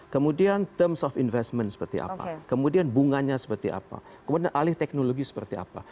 kemudian terms of investment seperti apa kemudian bunganya seperti apa kemudian alih teknologi seperti apa